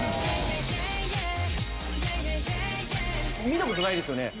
見たことないですよね⁉